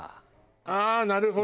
ああなるほど。